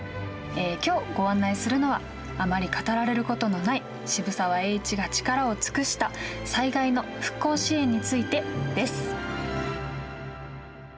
今日ご案内するのはあまり語られることのない渋沢栄一が力を尽くした災害の復興支援についてです。